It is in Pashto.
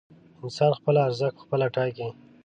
انسان خپل ارزښت پخپله ټاکي.